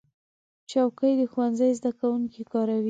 چوکۍ د ښوونځي زده کوونکي کاروي.